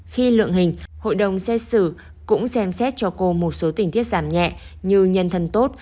khi lượng hình hội đồng xét xử cũng xem xét cho cô một số tình tiết giảm nhẹ như nhân thân tốt